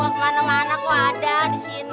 mau kemana mana kok ada disini